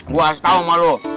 gue harus tau sama lo